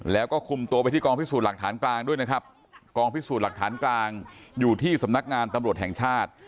แล้วก็คุมตัวไปที่กองพิสูจน์หลักฐานกลางด้วยนะครับกองพิสูจน์หลักฐานกลางอยู่ที่สำนักงานตำรวจแห่งชาติ